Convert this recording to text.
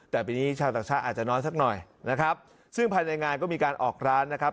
แต่ปีนี้ชาวต่างชาติอาจจะน้อยสักหน่อยนะครับซึ่งภายในงานก็มีการออกร้านนะครับ